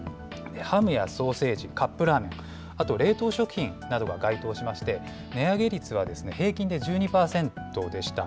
ハムやソーセージ、カップラーメン、あと冷凍食品などが該当しまして、値上げ率は平均で１２％でした。